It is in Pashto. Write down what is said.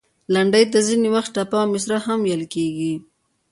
لنډۍ ته ځینې وخت، ټپه او مصره هم ویل کیږي.